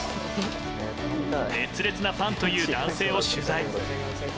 熱烈なファンという男性を取材。